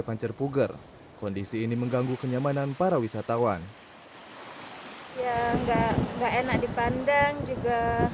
pancerpuger kondisi ini mengganggu kenyamanan para wisatawan ya nggak enak dipandang juga